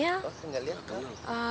oh aku nggak liat kak